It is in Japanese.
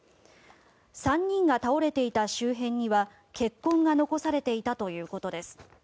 ３人が倒れていた周辺には血痕が残されていたということです。